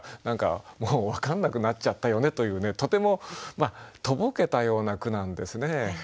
何かもう分かんなくなっちゃったよねというねとてもとぼけたような句なんですね。